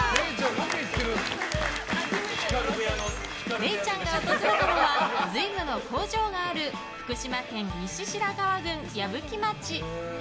れいちゃんが訪れたのは瑞夢の工場がある福島県西白河郡矢吹町。